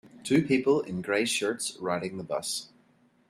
Two people in gray shirts riding the bus.